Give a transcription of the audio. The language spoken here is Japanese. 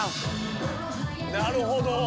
なるほど！